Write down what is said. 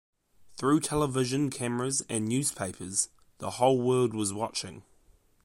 Through television cameras and newspapers, the whole world was watching.